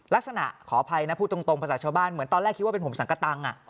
ขออภัยนะพูดตรงภาษาชาวบ้านเหมือนตอนแรกคิดว่าเป็นผมสังกะตัง